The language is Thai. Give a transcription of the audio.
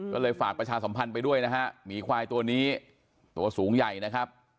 ก็เลยฝากประชาสัมพันธ์ไปด้วยนะฮะหมีควายตัวนี้ตัวสูงใหญ่นะครับ